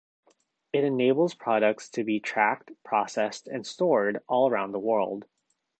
It enables products to be tracked, processed and stored all around the world.